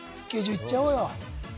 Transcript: いっちゃおうよ